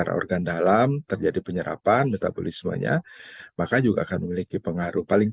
jadi kita harus memahami seperti itu bahwa disitu ada manusia yang mengonsumsi sampah begitu ya yang ada di tpa